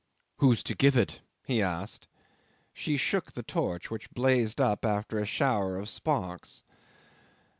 "Who's to give it?" he asked. She shook the torch, which blazed up after a shower of sparks.